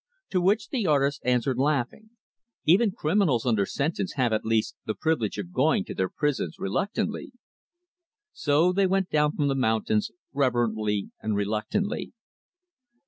To which the artist answered, laughing, "Even criminals under sentence have, at least, the privilege of going to their prisons reluctantly." So they went down from the mountains, reverently and reluctantly.